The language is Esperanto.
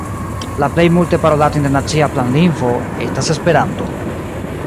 La plej multe parolata internacia planlingvo estas Esperanto.